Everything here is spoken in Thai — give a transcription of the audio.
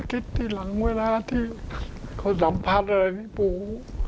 อาทิตย์ที่หลังเวลาที่เขาสัมพันธ์อะไรที่ภู